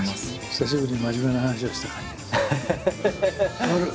久しぶりに真面目な話をした感じがする。